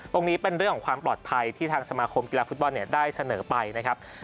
ตรงนี้เป็นเรื่องของความปลอดภัยที่ทางสมาคมกีฬาฟุตบอลได้เสนอไปนะครับ